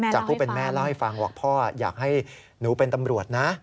ผู้เป็นแม่เล่าให้ฟังบอกพ่ออยากให้หนูเป็นตำรวจนะ